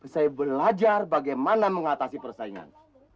saya belajar bagaimana mengatasi persaingan